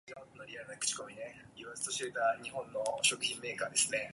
You just can't get there from here.